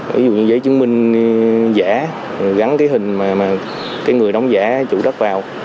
ví dụ những giấy chứng minh giả gắn cái hình mà cái người đóng giả chủ đất vào